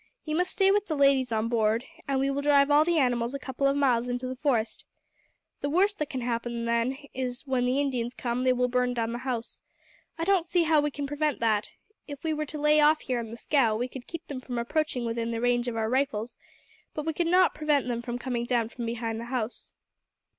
You must stay with the ladies on board, and we will drive all the animals a couple of miles into the forest. The worst that can happen then is that, when the Indians come, they will burn down the house. I don't see that we can prevent that. If we were to lay off here in the scow, we could keep them from approaching within range of our rifles, but we could not prevent them from coming down from behind the house.